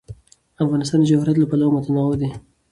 افغانستان د جواهراتو له پلوه متنوع دی.